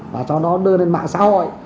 và cho nó đưa lên mạng xã hội